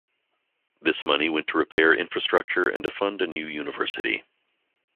This money went to repair infrastructure and to fund a new university.